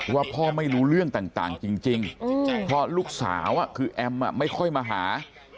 ว่าพ่อไม่รู้เรื่องต่างจริงเพราะลูกสาวคือแอมไม่ค่อยมาหา